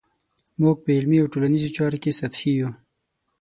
موږ په علمي او ټولنیزو چارو کې سطحي یو.